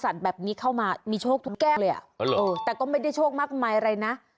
แต่ก็ไม่ได้โชคมากมายอะไรนะ